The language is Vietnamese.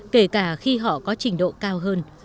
kể cả khi họ có trình độ cao hơn